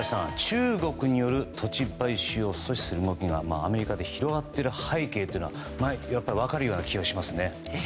中国による土地買収を阻止する動きがアメリカで広がっている背景は分かるような気はしますね。